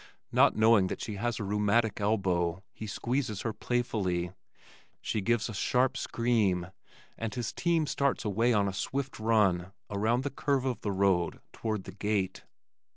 Not knowing that she has a rheumatic elbow, he squeezes her playfully. She gives a sharp scream, and his team starts away on a swift run around the curve of the road toward the gate.